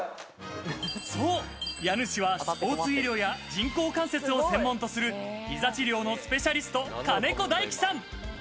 家主はスポーツ医療や人工関節を専門とする膝治療のスペシャリスト金子大毅さん。